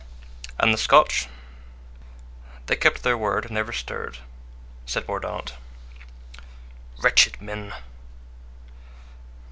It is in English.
"And the Scotch?" "They kept their word and never stirred," said Mordaunt. "Wretched men!"